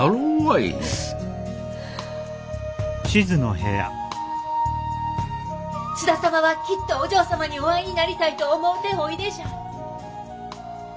い津田様はきっとお嬢様にお会いになりたいと思うておいでじゃ。